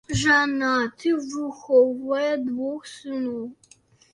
Жанаты, выхоўвае двух сыноў.